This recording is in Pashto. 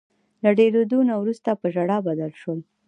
له ډیریدو نه وروسته په ژړا بدل شول.